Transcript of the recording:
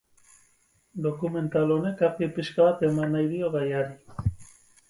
Dokumental honek argi pixka bat eman nahi dio gaiari.